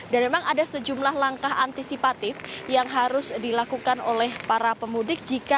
dan memang ada sejumlah langkah antisipatif yang harus dilakukan oleh para pemudik